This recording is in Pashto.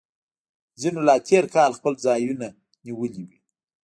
ځینو لا تیر کال خپل ځایونه نیولي وي